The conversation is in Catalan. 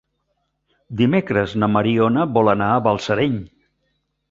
Dimecres na Mariona vol anar a Balsareny.